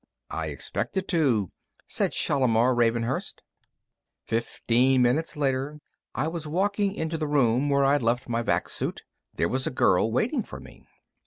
"I expected to," said Shalimar Ravenhurst. Fifteen minutes later, I was walking into the room where I'd left my vac suit. There was a girl waiting for me.